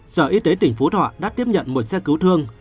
sở y tế tỉnh phú thọ đã tiếp nhận một xe cứu thương